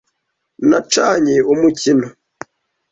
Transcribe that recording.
Nacanye umukino.